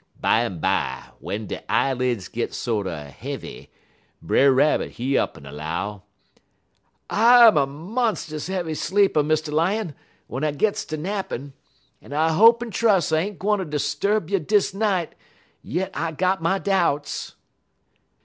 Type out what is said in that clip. Bimeby, w'en dey eyeleds git sorter heavy, Brer Rabbit, he up'n 'low: "'I'm a monst'us heavy sleeper, Mr. Lion, w'en I gits ter nappin', en I hope en trus' I ain't gwine 'sturb you dis night, yit I got my doubts.'